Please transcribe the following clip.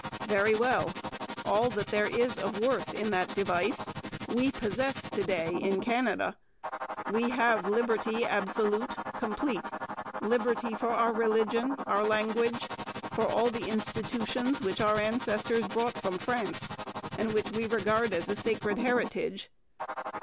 Very well: all that there is of worth in that device, we possess to day in Canada. We have liberty absolute, complete, liberty for our religion, our language, for all the institutions which our ancestors brought from France and which we regard as a sacred heritage....